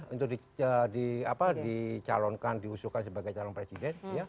untuk di calonkan diusulkan sebagai calon presiden